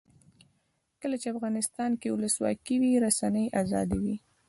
کله چې افغانستان کې ولسواکي وي رسنۍ آزادې وي.